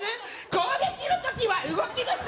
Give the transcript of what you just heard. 攻撃の時は動きます